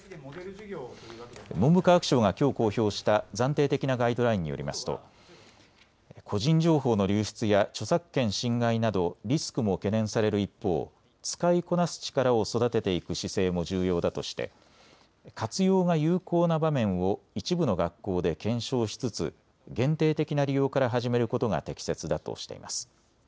文部科学省がきょう公表した暫定的なガイドラインによりますと個人情報の流出や著作権侵害などリスクも懸念される一方、使いこなす力を育てていく姿勢も重要だとして活用が有効な場面を一部の学校で検証しつつ限定的な利用から始めることが適切だとしています。